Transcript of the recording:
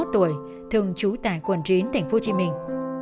bảy mươi một tuổi thường trú tại quần chín tỉnh phú trị mình